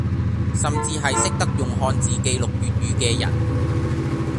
甚至係識得用漢字記錄粵語嘅人